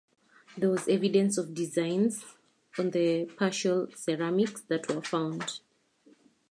There was evidence of designs on the partial ceramics that were found.